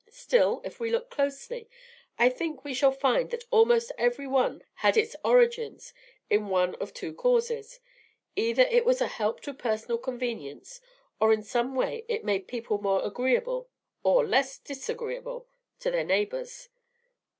Still, if we look closely, I think we shall find that almost every one had its origin in one of two causes, either it was a help to personal convenience, or in some way it made people more agreeable or less disagreeable to their neighbors.